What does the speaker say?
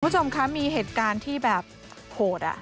คุณผู้ชมคะมีเหตุการณ์ที่แบบโหด